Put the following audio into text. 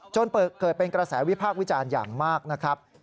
จนเกิดเป็นกระแสวิพากษ์วิจารณ์อย่างมากนะครับ